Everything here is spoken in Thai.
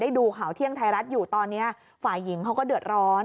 ดูข่าวเที่ยงไทยรัฐอยู่ตอนนี้ฝ่ายหญิงเขาก็เดือดร้อน